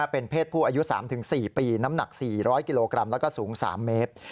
เป็นเพศผู้อายุ๓๔ปีน้ำหนัก๔๐๐กิโลกรัมแล้วก็สูง๓เมตร